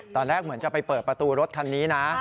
ตอนแรกเหมือนจะไปเปิดประตูรถคันนี้นะ